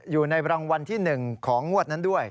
อยู่ในรางวัลที่๑ของงวดนั้นด้วย